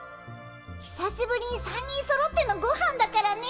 ひさしぶりに３人そろってのごはんだからね